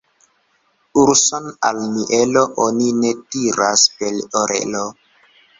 Urson al mielo oni ne tiras per orelo.